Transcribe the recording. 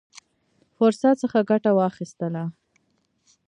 فرصت څخه ګټه واخیستله.